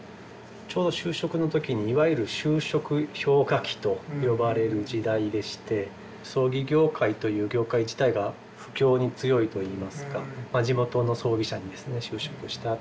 ちょうど就職の時にいわゆる就職氷河期と呼ばれる時代でして葬儀業界という業界自体が不況に強いといいますか地元の葬儀社にですね就職したと。